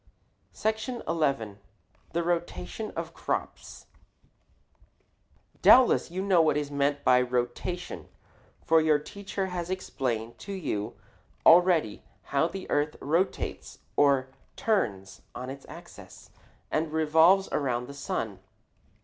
SECTION XI. THE ROTATION OF CROPS Doubtless you know what is meant by rotation, for your teacher has explained to you already how the earth rotates, or turns, on its axis and revolves around the sun.